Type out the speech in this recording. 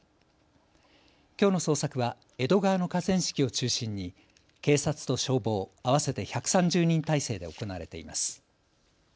きょうの捜索は江戸川の河川敷を中心に警察と消防、合わせて１３０人態勢で行われています。